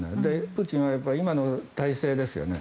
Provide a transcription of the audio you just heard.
プーチンは今の体制ですよね